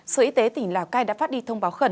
sở y tế tỉnh lào cai đã phát đi thông báo khẩn